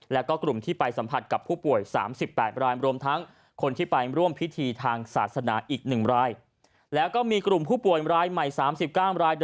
และก็มีกลุ่มผู้ป่วยรายใหม่๓๙ราย